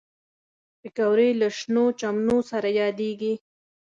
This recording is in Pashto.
پکورې له شنو چمنو سره یادېږي